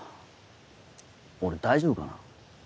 俺大丈夫かな？